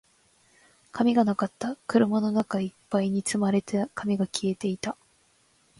紙がなかった。車の中一杯に積まれた紙が消えていた。